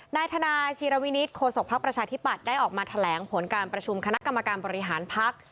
นายธนายศิรวินิตโฆษกภักดิ์ประชาธิปัตย์ได้ออกมาแถลงผลการประชุมคณะกรรมการบริหารพัก